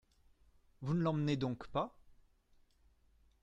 Vous ne l’emmenez donc pas ?